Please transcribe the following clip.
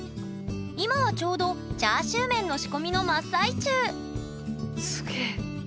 今はちょうどチャーシューメンの仕込みの真っ最中すげえ。